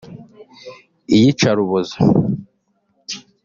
iyicarubozo